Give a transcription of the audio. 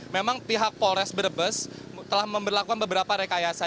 memang pihak polres brebes telah memperlakukan beberapa rekayasa